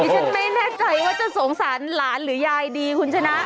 ฉันไม่แน่ใจว่าจะสงสารหลานหรือยายดีคุณชนะ